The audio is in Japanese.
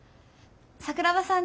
桜庭さん